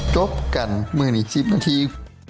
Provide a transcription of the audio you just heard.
จบกัน๑๐๐๐๐นาที